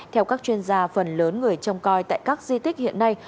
theo các chuyên gia phần lớn người trông coi tại các di tích hiện nay